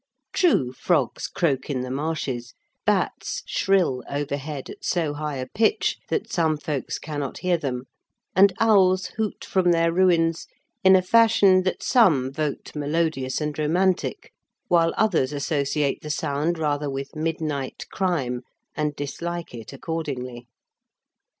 True, frogs croak in the marshes, bats shrill overhead at so high a pitch that some folks cannot hear them, and owls hoot from their ruins in a fashion that some vote melodious and romantic, while others associate the sound rather with midnight crime and dislike it accordingly.